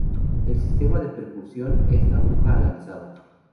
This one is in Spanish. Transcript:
El sistema de percusión es por aguja lanzada.